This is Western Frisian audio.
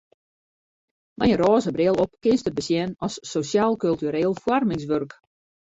Mei in rôze bril op kinst it besjen as sosjaal-kultureel foarmingswurk.